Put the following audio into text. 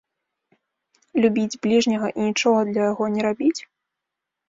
Любіць бліжняга і нічога для яго не рабіць?